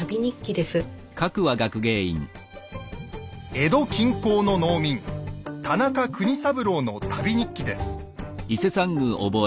江戸近郊の農民田中国三郎の旅日記です。